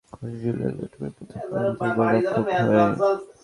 তবে পোর্তোতে ক্যাসিয়াস আছেন কোচ জুলেন লোপেটেগির প্রথম পছন্দের গোলরক্ষক হয়েই।